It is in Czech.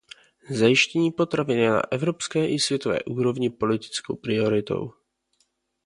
Zajištění potravin je na evropské i světové úrovni politickou prioritou.